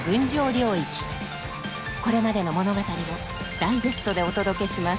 これまでの物語をダイジェストでお届けします。